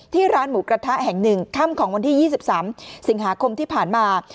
ร้านหมูกระทะแห่ง๑ค่ำของวันที่๒๓สิงหาคมที่ผ่านมา